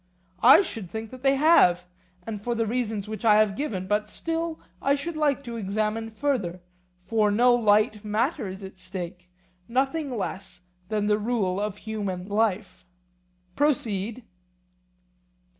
I think that they have, and for the reasons which I have given; but still I should like to examine further, for no light matter is at stake, nothing less than the rule of human life. Proceed.